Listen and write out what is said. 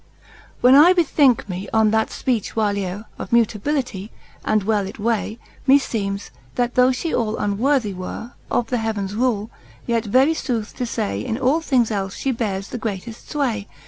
IHEN I bethinke me on that fpeech whyleare Of Mutability^ and well it way, Me feemes, that though fhe all unworthy were Of the heav'ns rule ; yet very (both to fay. In all things elfe fhe beares the greateft fway.